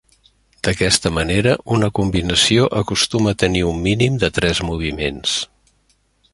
D'aquesta manera, una combinació acostuma a tenir un mínim de tres moviments.